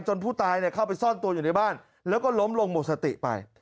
ผู้ตายเข้าไปซ่อนตัวอยู่ในบ้านแล้วก็ล้มลงหมดสติไป